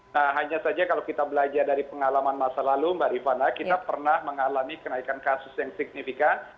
nah hanya saja kalau kita belajar dari pengalaman masa lalu mbak rifana kita pernah mengalami kenaikan kasus yang signifikan